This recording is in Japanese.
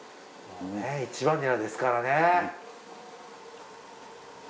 ねぇ一番ニラですからね。